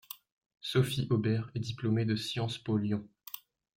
Sophie Aubert est diplômée de de Sciences Po Lyon.